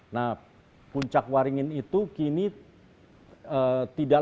nah puncak waringin itu kini tidak lagi menjadi tempat souvenir saja